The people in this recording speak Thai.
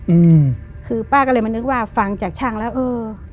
อืมคือป้าก็เลยมานึกว่าฟังจากช่างแล้วเออ